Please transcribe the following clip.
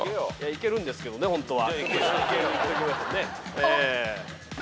いけるんですけどホントは。